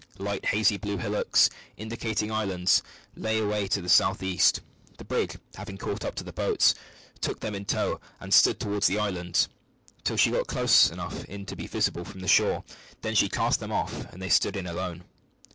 Light hazy blue hillocks, indicating islands, lay away to the south east. The brig, having caught up the boats, took them in tow and stood towards the islands, till she got close enough in to be visible from the shore. She then cast them off, and they stood in alone.